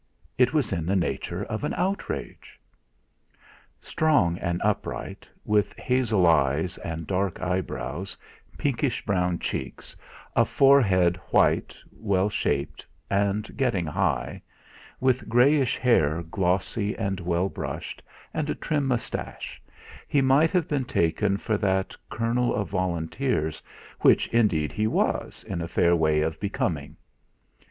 It was in the nature of an outrage. Strong and upright, with hazel eyes and dark eyebrows, pinkish brown cheeks, a forehead white, well shaped, and getting high, with greyish hair glossy and well brushed, and a trim moustache, he might have been taken for that colonel of Volunteers which indeed he was in a fair way of becoming.